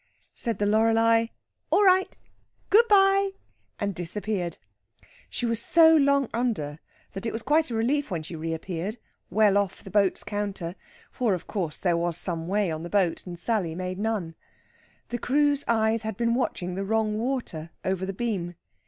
Said the Loreley: "All right! good bye!" and disappeared. She was so long under that it was quite a relief when she reappeared, well off the boat's counter; for, of course, there was some way on the boat, and Sally made none. The crew's eyes had been watching the wrong water over the beam.